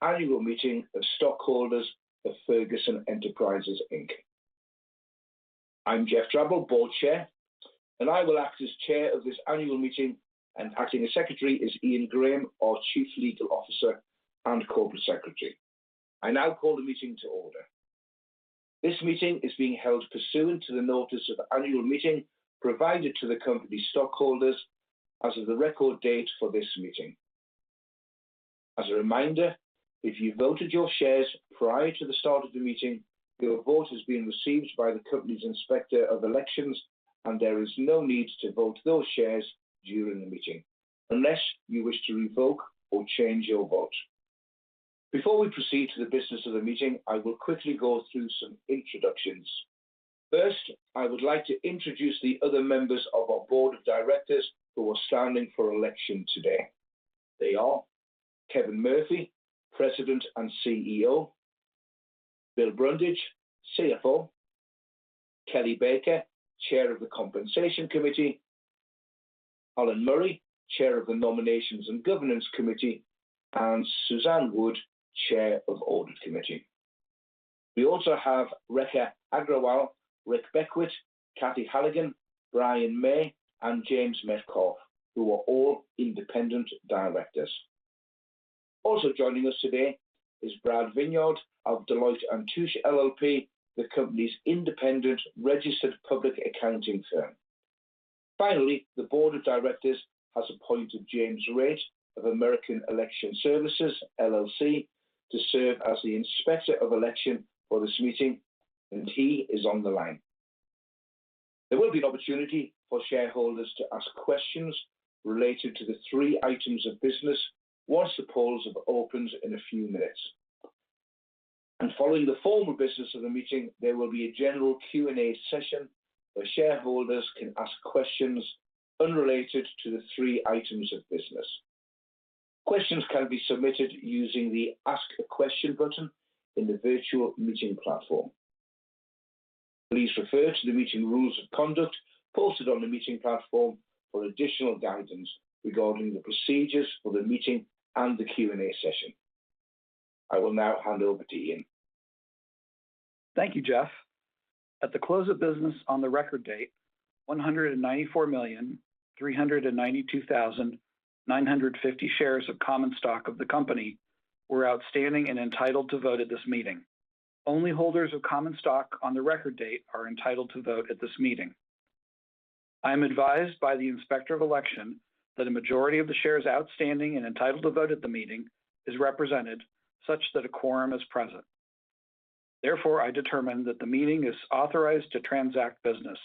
Annual meeting of stockholders of Ferguson Enterprises Inc. I'm Geoff Drabble, Board Chair, and I will act as chair of this annual meeting, and acting as secretary is Ian Graham, our Chief Legal Officer and Corporate Secretary. I now call the meeting to order. This meeting is being held pursuant to the notice of annual meeting provided to the company stockholders as of the record date for this meeting. As a reminder, if you voted your shares prior to the start of the meeting, your vote has been received by the company's inspector of elections, and there is no need to vote those shares during the meeting unless you wish to revoke or change your vote. Before we proceed to the business of the meeting, I will quickly go through some introductions. First, I would like to introduce the other members of our Board of Directors who are standing for election today. They are Kevin Murphy, President and CEO, Bill Brundage, CFO, Kelly Baker, Chair of the Compensation Committee, Alan Murray, Chair of the Nominations and Governance Committee, and Suzanne Wood, Chair of Audit Committee. We also have Rekha Agrawal, Rick Beckwitt, Cathy Halligan, Brian May, and James Metcalf, who are all independent directors. Also joining us today is Brad Vineyard of Deloitte & Touche LLP, the company's independent registered public accounting firm. Finally, the Board of Directors has appointed James Reed of American Election Services, LLC to serve as the Inspector of Election for this meeting, and he is on the line. There will be an opportunity for shareholders to ask questions related to the three items of business once the polls have opened in a few minutes. Following the formal business of the meeting, there will be a general Q&A session where shareholders can ask questions unrelated to the three items of business. Questions can be submitted using the Ask a Question button in the virtual meeting platform. Please refer to the meeting rules of conduct posted on the meeting platform for additional guidance regarding the procedures for the meeting and the Q&A session. I will now hand over to Ian. Thank you, Geoff. At the close of business on the record date, 194,392,950 shares of common stock of the company were outstanding and entitled to vote at this meeting. Only holders of common stock on the record date are entitled to vote at this meeting. I am advised by the inspector of election that a majority of the shares outstanding and entitled to vote at the meeting is represented such that a quorum is present. Therefore, I determine that the meeting is authorized to transact business.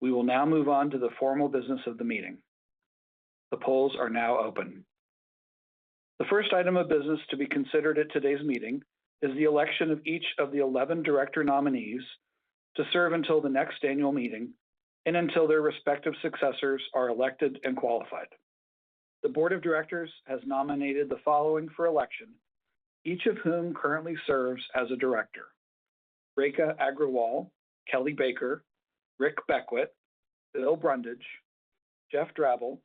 We will now move on to the formal business of the meeting. The polls are now open. The first item of business to be considered at today's meeting is the election of each of the 11 director nominees to serve until the next annual meeting and until their respective successors are elected and qualified. The board of directors has nominated the following for election, each of whom currently serves as a director. Rekha Agrawal, Kelly Baker, Rick Beckwitt, Bill Brundage, Geoff Drabble,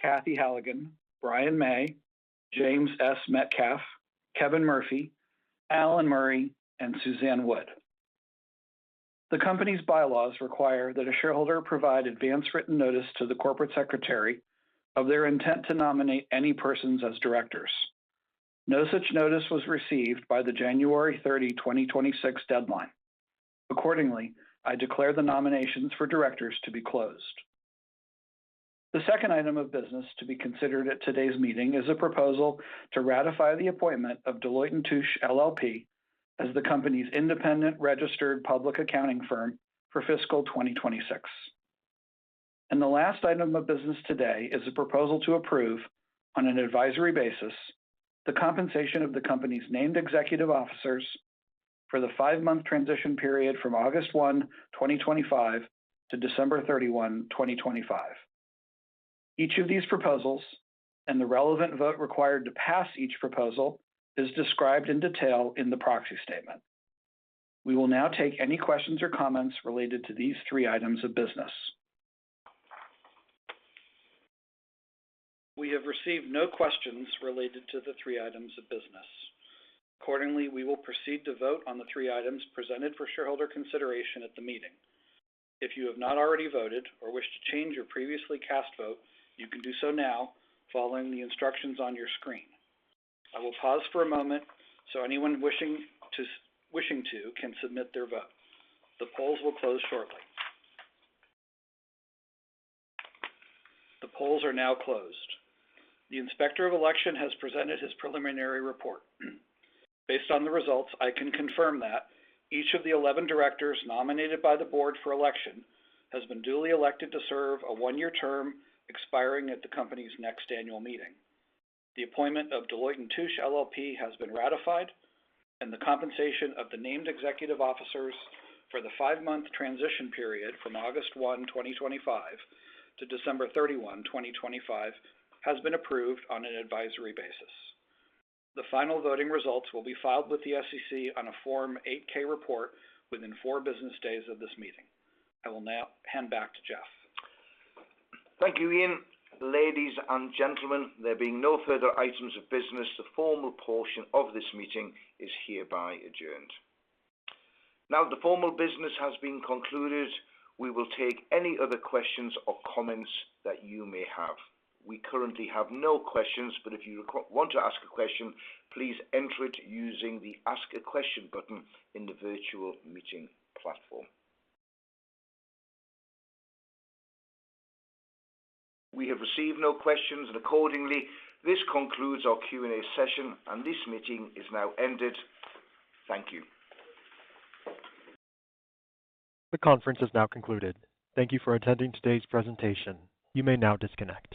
Cathy Halligan, Brian May, James S. Metcalf, Kevin Murphy, Alan Murray, and Suzanne Wood. The company's bylaws require that a shareholder provide advance written notice to the corporate secretary of their intent to nominate any persons as directors. No such notice was received by the January 30, 2026 deadline. Accordingly, I declare the nominations for directors to be closed. The second item of business to be considered at today's meeting is a proposal to ratify the appointment of Deloitte & Touche LLP as the company's independent registered public accounting firm for fiscal 2026. The last item of business today is a proposal to approve, on an advisory basis, the compensation of the company's named executive officers for the five-month transition period from August 1, 2025 to December 31, 2025. Each of these proposals and the relevant vote required to pass each proposal is described in detail in the proxy statement. We will now take any questions or comments related to these three items of business. We have received no questions related to the three items of business. Accordingly, we will proceed to vote on the three items presented for shareholder consideration at the meeting. If you have not already voted or wish to change your previously cast vote, you can do so now following the instructions on your screen. I will pause for a moment so anyone wishing to can submit their vote. The polls will close shortly. The polls are now closed. The inspector of election has presented his preliminary report. Based on the results, I can confirm that each of the 11 directors nominated by the Board for election has been duly elected to serve a one-year term expiring at the company's next annual meeting. The appointment of Deloitte & Touche LLP has been ratified and the compensation of the named executive officers for the five-month transition period from August 1, 2025 to December 31, 2025 has been approved on an advisory basis. The final voting results will be filed with the SEC on a Form 8-K report within four business days of this meeting. I will now hand back to Geoff. Thank you, Ian. Ladies and gentlemen, there being no further items of business, the formal portion of this meeting is hereby adjourned. Now that the formal business has been concluded, we will take any other questions or comments that you may have. We currently have no questions, but if you want to ask a question, please enter it using the Ask a Question button in the virtual meeting platform. We have received no questions, and accordingly, this concludes our Q&A session, and this meeting is now ended. Thank you. The conference has now concluded. Thank you for attending today's presentation. You may now disconnect.